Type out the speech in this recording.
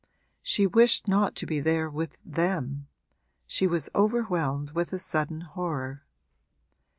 She wished not to be there with them she was overwhelmed with a sudden horror.